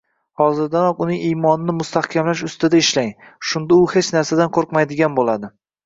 Hozirdanoq uning iymonini mustahkamlash ustida ishlang, shunda u hech narsadan qo‘rqmaydigan bo‘ladi.